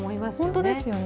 本当ですよね。